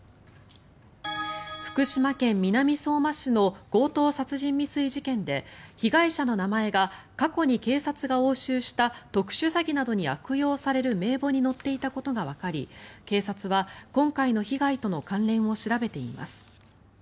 福島県南相馬市の強盗殺人未遂事件で被害者の名前が過去に警察が押収した特殊詐欺などに悪用される名簿に載っていたことがわかり警察は、今回の被害との関連を調べています。